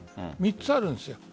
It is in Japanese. ３つあるんです。